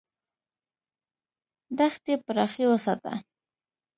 دښتې پراخې وساته.